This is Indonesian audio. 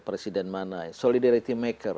presiden mana solidarity maker